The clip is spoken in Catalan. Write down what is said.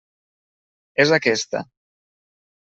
És aquesta.